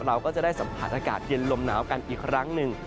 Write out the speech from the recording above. เราก็จะได้สัมผัสอากาศเย็นลมหนาวกันอีกครั้งหนึ่ง